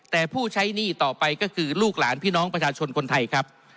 แต่ผู้ใช้หนี้ต่อไปก็คือลูกหลานพี่น้องประชาชนคนไทยครับ